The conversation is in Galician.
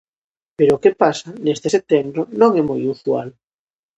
Pero o que pasa neste setembro non é moi usual.